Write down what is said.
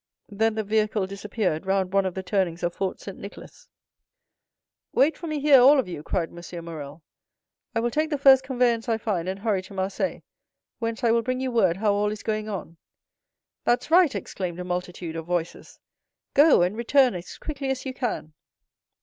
Then the vehicle disappeared round one of the turnings of Fort Saint Nicholas. "Wait for me here, all of you!" cried M. Morrel; "I will take the first conveyance I find, and hurry to Marseilles, whence I will bring you word how all is going on." "That's right!" exclaimed a multitude of voices, "go, and return as quickly as you can!"